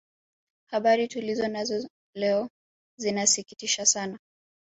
habari tulizo nazo leo zinasikitisha sana